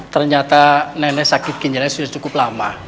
ternyata nenek sakit ginjalnya sudah cukup lama